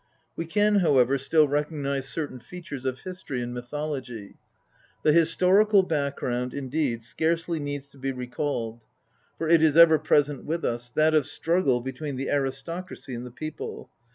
We can, however, still recognise certain features of history and mythology. The historical background, indeed, scarcely needs to be recalled, for it is ever present with us that of struggle between the aristocracy and the people.